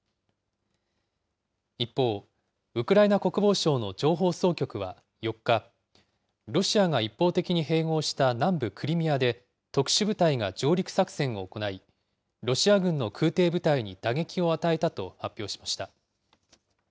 一方、ウクライナ国防省の情報総局は４日、ロシアが一方的に併合した南部クリミアで特殊部隊が上陸作戦を行い、ロシア軍の空てい部隊に打撃を与えたと発表しました。